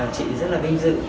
chị rất là vinh dự